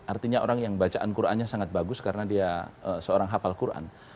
artinya orang yang bacaan qurannya sangat bagus karena dia seorang hafal quran